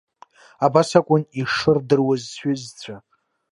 Абас акәын ишырдыруаз сҩызцәа.